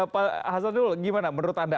pak hasanul gimana menurut anda